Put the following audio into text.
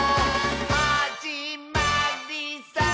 「はじまりさー」